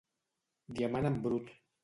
Diamant en brut.